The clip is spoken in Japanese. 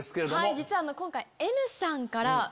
実は今回。